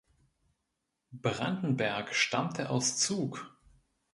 Brandenberg stammte aus Zug.